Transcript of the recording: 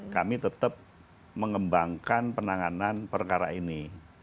kami tetap mengembangkan penanganan perkara ini